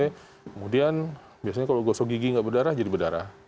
kemudian biasanya kalau gosok gigi nggak berdarah jadi berdarah